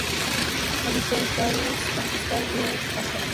Habita en Kashmir, Pakistán y en Afganistán.